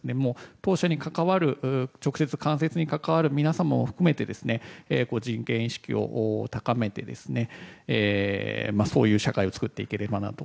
当社に直接・間接に関わる皆さんも含めて人権意識を高めてそういう会社を作っていければなと。